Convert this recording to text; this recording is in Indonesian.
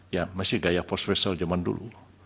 ya masih gaya posresel zaman dulu